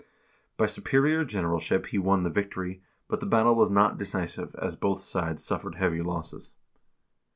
By superior generalship he won the vic tory, but the battle was not decisive, as both sides suffered heavy losses.